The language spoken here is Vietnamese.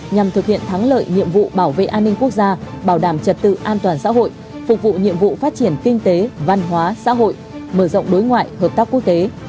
nhằm thực hiện thắng lợi nhiệm vụ bảo vệ an ninh quốc gia bảo đảm trật tự an toàn xã hội phục vụ nhiệm vụ phát triển kinh tế văn hóa xã hội mở rộng đối ngoại hợp tác quốc tế